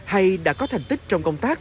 hay đã có thành tích trong công tác